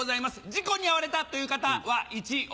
事故に遭われたという方は「１」を。